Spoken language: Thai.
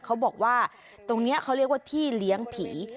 เขาบอกว่าตรงนี้เขาเรียกว่าที่เลี้ยงผี